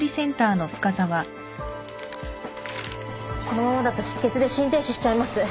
このままだと失血で心停止しちゃいます。